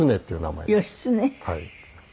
はい。